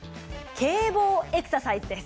警棒エクササイズです。